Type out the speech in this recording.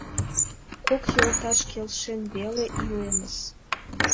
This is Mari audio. Кок йолташ келшен веле илемыс!